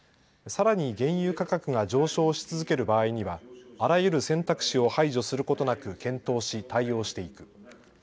さらに原油価格が上昇し続ける場合にはあらゆる選択肢を排除することなく検討し対応していく。